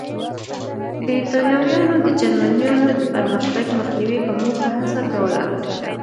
برېټانویانو د جرمنییانو د پرمختګ مخنیوي په موخه هڅه کوله.